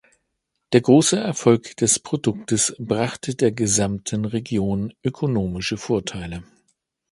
Der große Erfolg des Produktes brachte der gesamten Region ökonomische Vorteile.